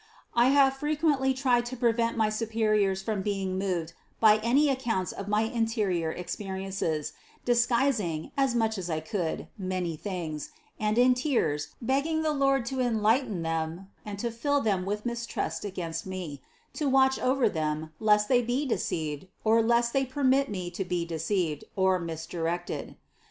I have frequently tried to prevent my superiors from being moved by any accounts of my interior ex periences, disguising, as much as I could, many things, and in tears begging the Lord to enlighten them and to fill them with mistrust against me, to watch over them lest they be deceived or lest they permit me to be deceived or misdirected.